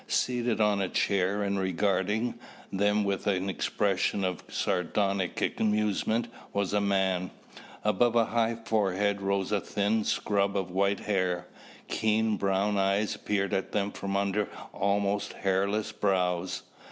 Seated on a chair and regarding, them with an expression of sardonic amusement was a man. Above a high forehead rose a thin scrub of white hair. Keen brown eyes peered at them from under almost hairless brows.